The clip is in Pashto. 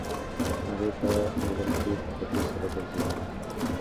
مرغۍ په انګړ کې په خوښۍ سره ګرځېدې.